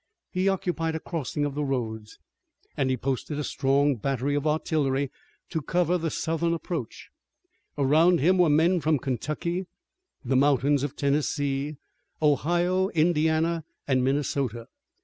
He occupied a crossing of the roads, and he posted a strong battery of artillery to cover the Southern approach. Around him were men from Kentucky, the mountains of Tennessee, Ohio, Indiana, and Minnesota.